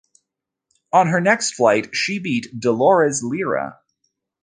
On her next fight, she beat Dolores Lira.